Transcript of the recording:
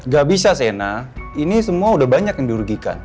gak bisa sena ini semua udah banyak yang dirugikan